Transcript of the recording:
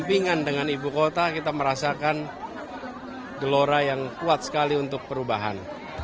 kepingan dengan ibu kota kita merasakan gelora yang kuat sekali untuk perubahan